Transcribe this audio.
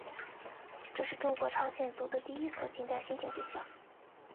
这是中国朝鲜族的第一所近代新型学校。